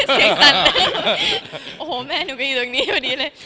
เอ่อสีศัพท์หน้าวโอ้โหแม่หนูก็ยังอยู่ตรงนี้เลย